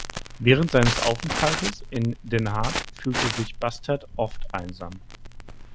Während seines Aufenthaltes in Den Haag fühlte sich Bastert oft einsam.